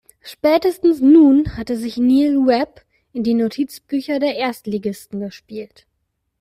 Spätestens nun hatte sich Neil Webb in die Notizbücher der Erstligisten gespielt.